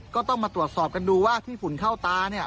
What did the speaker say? ก็ต้องมาตรวจสอบกันดูว่าที่ฝุ่นเข้าตาเนี่ย